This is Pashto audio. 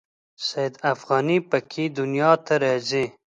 سید افغاني په کې دنیا ته راځي.